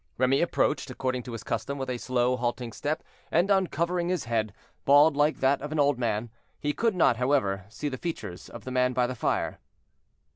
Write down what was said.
Remy approached, according to his custom, with a slow, halting step, and uncovering his head, bald like that of an old man. He could not, however, see the features of the man by the fire.